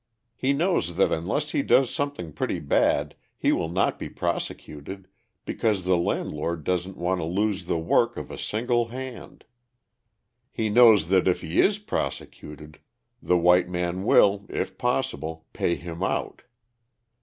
He knows that unless he does something pretty bad, he will not be prosecuted because the landlord doesn't want to lose the work of a single hand; he knows that if he is prosecuted, the white man will, if possible, "pay him out."